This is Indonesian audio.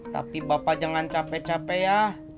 tapi bapak jangan capek capek ya